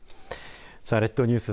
さあ列島ニュース